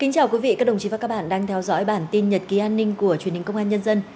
chào mừng quý vị đến với bản tin nhật ký an ninh của truyền hình công an nhân dân